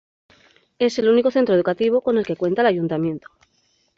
Es el único centro educativo con el que cuenta el ayuntamiento.